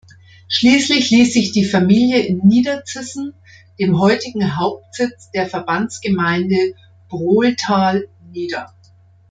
Schließlich ließ sich die Familie in Niederzissen, dem heutigen Hauptsitz der Verbandsgemeinde Brohltal, nieder.